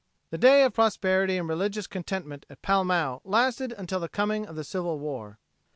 The day of prosperity and religious contentment at Pall Mall lasted until the coming of the Civil War.